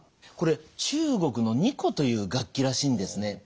これ中国の二胡という楽器らしいんですね。